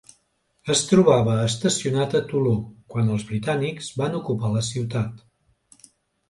Es trobava estacionat a Toló quan els britànics van ocupar la ciutat.